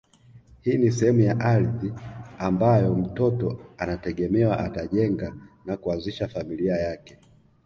Hii ni sehemu ya ardhi ambayo mtoto anategemewa atajenga na kuanzisha familia yake